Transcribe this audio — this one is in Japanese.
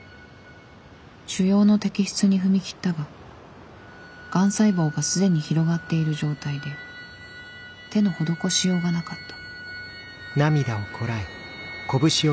腫瘍の摘出に踏み切ったががん細胞がすでに広がっている状態で手の施しようがなかった